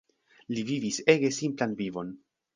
Li vivis ege simplan vivon.